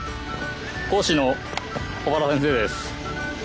講師の小原先生です。